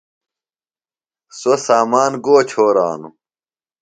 سوۡ سامان گو چھرانُوۡ؟